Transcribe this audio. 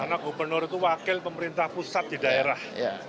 karena gubernur itu wakil pemerintah pusat di daerah